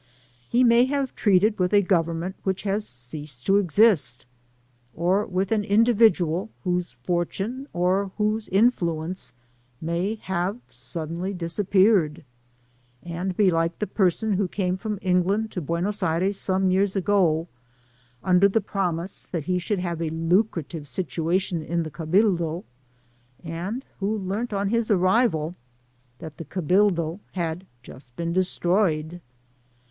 He may have treated inth a govemmoit which has ceased to exist, or with an individual whose fortune or whose influence may have suddenly disappeared; and be like the parson who came from England to Buenos Aires some years ago, imder the promise that he should have a lucarative attiation in the Cabildo, and who learnt on his arrival that the CabiMo had just been destroyed.